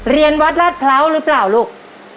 เรียนวัดราชพร้าวหรือเปล่าลูก